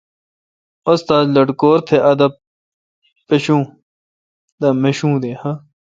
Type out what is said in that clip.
استاد لٹکور تھ ادب مشو۔